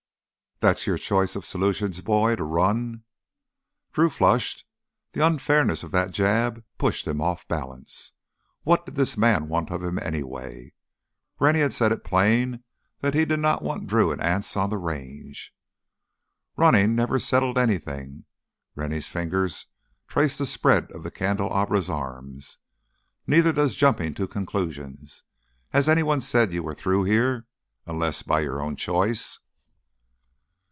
"That your choice of solutions, boy—to run?" Drew flushed. The unfairness of that jab pushed him off balance. What did this man want of him anyway? Rennie had said it plain that he did not want Drew and Anse on the Range. "Running never settled anything." Rennie's fingers traced the spread of the candelabra's arms. "Neither does jumping to conclusions. Has anyone said you were through here, unless by your own choice?"